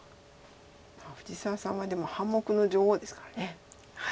藤沢さんはでも「半目の女王」ですから。